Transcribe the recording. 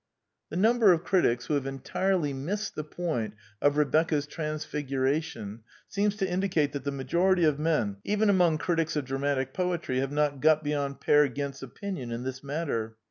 The number of critics who have en tirely missed the point of Rebecca's transfigura tion seems to indicate that the majority of men, even among critics of dramatic poetry, have hot got beyond Peer Gynt's opinion in this matter.